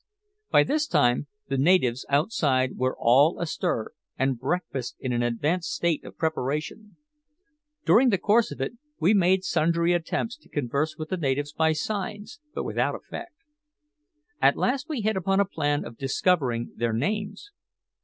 By this time the natives outside were all astir, and breakfast in an advanced state of preparation. During the course of it we made sundry attempts to converse with the natives by signs, but without effect. At last we hit upon a plan of discovering their names.